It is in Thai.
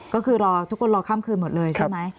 ก็คือรอทุกคนรอข้ามคืนหมดเลยใช่ไหม